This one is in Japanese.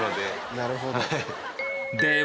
なるほど。